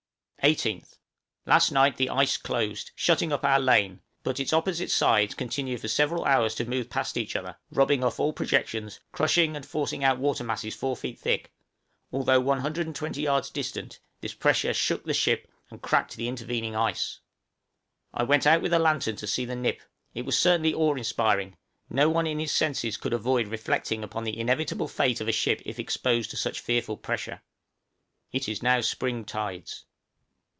18th. Last night the ice closed, shutting up our lane, but its opposite sides continued for several hours to move past each other, rubbing off all projections, crushing, and forcing out of water masses four feet thick: although 120 yards distant, this pressure shook the ship and cracked the intervening ice. {AN ICE NIP.} I went out with a lantern to see the nip, it certainly was awe inspiring; no one in his senses could avoid reflecting upon the inevitable fate of a ship if exposed to such fearful pressure. It is now spring tides.